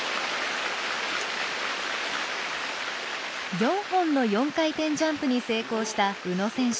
４本の４回転ジャンプに成功した宇野選手。